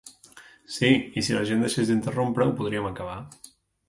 Sí, i si la gent deixés d'interrompre, ho podríem acabar.